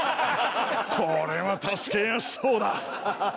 これは助けやすそうだ。